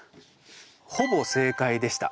ほぼ正解でした。